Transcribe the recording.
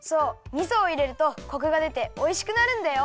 みそをいれるとコクがでておいしくなるんだよ。